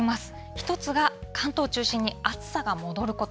１つが、関東を中心に暑さが戻ること。